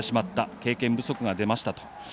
経験不足が出ましたと。